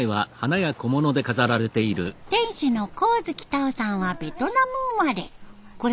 店主の高月タオさんはベトナム生まれ。